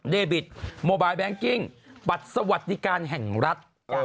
เดบิตโมบายแบงกิ้งบัตรสวัสดิการแห่งรัฐ